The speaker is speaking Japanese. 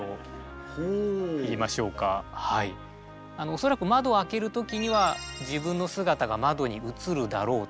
恐らく窓を開ける時には自分の姿が窓に映るだろうと。